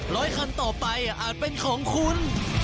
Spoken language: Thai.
ร้อยคันต่อไปอาจเป็นของคุณ